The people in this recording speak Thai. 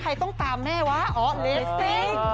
ใครต้องตามแม่วะอ๋อเลสสิ